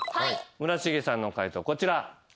村重さんの解答こちら。